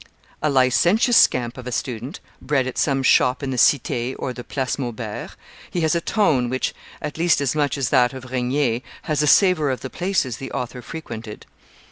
... A licentious scamp of a student, bred at some shop in the Cite or the Place Maubert, he has a tone which, at least as much as that of Regnier, has a savor of the places the author frequented.